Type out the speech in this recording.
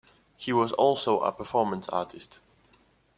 He was also a performance artist.